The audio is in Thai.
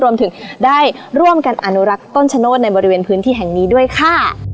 รวมถึงได้ร่วมกันอนุรักษ์ต้นชะโนธในบริเวณพื้นที่แห่งนี้ด้วยค่ะ